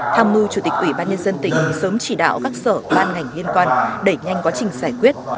tham mưu chủ tịch ủy ban nhân dân tỉnh sớm chỉ đạo các sở ban ngành liên quan đẩy nhanh quá trình giải quyết